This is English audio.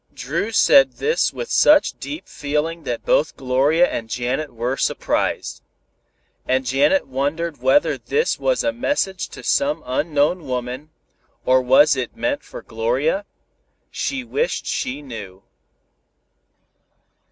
Dru said this with such deep feeling that both Gloria and Janet were surprised. And Janet wondered whether this was a message to some unknown woman, or was it meant for Gloria? She wished she knew.